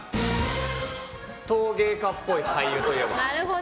陶芸家っぽい俳優といえば？